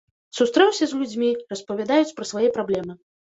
Сустрэўся з людзьмі, распавядаюць пра свае праблемы.